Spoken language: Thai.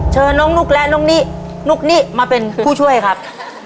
เชิญน้องนุ๊กและน้องนินุ๊กนิมาเป็นผู้ช่วยครับ